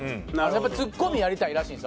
ツッコミやりたいらしいんですよ